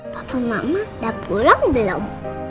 papa mama udah pulang belum